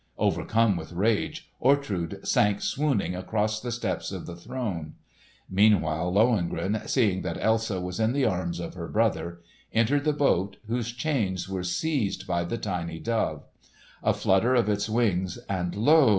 Overcome with rage, Ortrud sank swooning across the steps of the throne. Meanwhile Lohengrin, seeing that Elsa was in the arms of her brother, entered the boat, whose chains were seized by the tiny dove. A flutter of its wings, and lo!